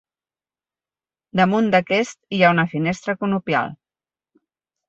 Damunt d'aquest hi ha una finestra conopial.